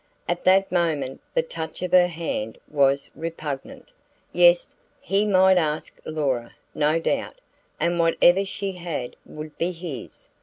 At that moment the touch of her hand was repugnant. Yes he might ask Laura, no doubt: and whatever she had would be his.